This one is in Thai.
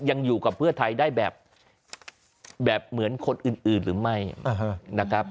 ยังอยู่กับเพื่อไทยได้แบบเหมือนคนอื่นหรือไม่นะครับ